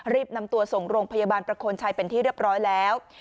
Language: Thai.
รีบนำตัวส่งโรงพยาบาลประโคนชัยเป็นที่เรียบร้อยแล้ว